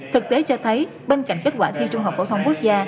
thực tế cho thấy bên cạnh kết quả thi trung học phổ thông quốc gia